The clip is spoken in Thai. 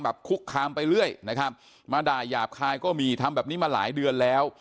คุกคามไปเรื่อยนะครับมาด่าหยาบคายก็มีทำแบบนี้มาหลายเดือนแล้ว